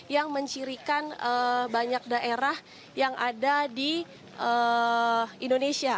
yang mencirikan banyak daerah yang ada di indonesia